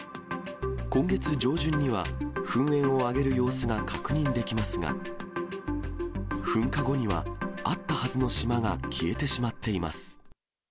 今月上旬には、噴煙を上げる様子が確認できますが、噴火後には、あったはずの島が消えてしまっています。